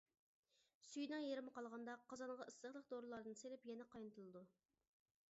سۈيىنىڭ يېرىمى قالغاندا، قازانغا ئىسسىقلىق دورىلاردىن سېلىپ، يەنە قاينىتىلىدۇ.